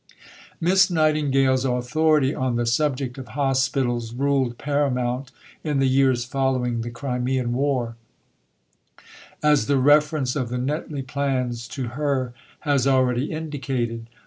ii. pp. 207 8. Miss Nightingale's authority on the subject of Hospitals ruled paramount in the years following the Crimean War as the reference of the Netley plans to her has already indicated.